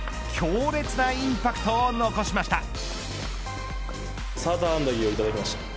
強烈なインパクトを残しました。